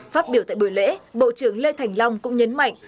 phát biểu tại buổi lễ bộ trưởng lê thành long cũng nhấn mạnh